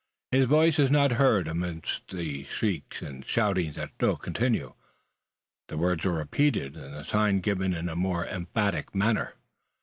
His voice is not heard amidst the shrieks and shouting that still continue. The words are repeated, and the sign given in a more emphatic manner.